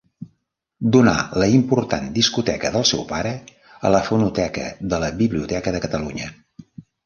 Donà la important discoteca del seu pare a la Fonoteca de la Biblioteca de Catalunya.